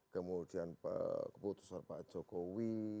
kemudian keputusan pak jokowi